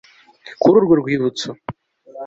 kuri urwo rwibutso